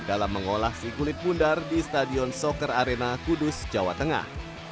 dalam mengolah si kulit bundar di stadion soker arena kudus jawa tengah